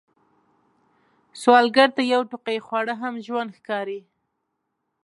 سوالګر ته یو ټوقی خواړه هم ژوند ښکاري